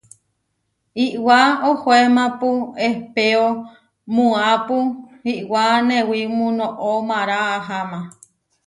Iʼwá ohóemapu ehpéo muápu iʼwá newimú noʼó mára aháma.